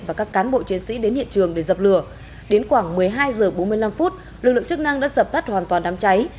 và các cán bộ chiến sĩ đến hiện trường để dập lửa đến khoảng một mươi hai h bốn mươi năm phút lực lượng chức năng đã dập tắt hoàn toàn đám cháy